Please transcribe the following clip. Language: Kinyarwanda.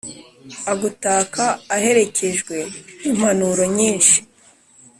agutaka aherekejwe n'impanuro nyinshi